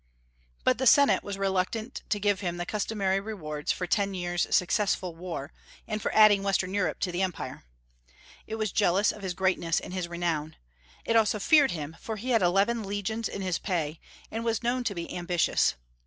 But the Senate was reluctant to give him the customary rewards for ten years' successful war, and for adding Western Europe to the Empire. It was jealous of his greatness and his renown. It also feared him, for he had eleven legions in his pay, and was known to be ambitious.